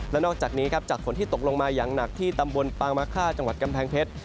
และนอกจากนี้ครับจากฝนที่ตกลงมาอย่างหนักที่ตำบลปางมะค่าจังหวัดกำแพงเพชร